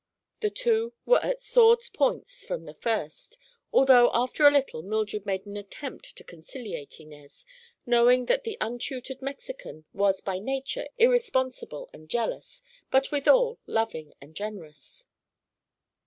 The two were at sword's points from the first, although after a little Mildred made an attempt to conciliate Inez, knowing that the untutored Mexican was by nature irresponsible and jealous, but withal loving and generous.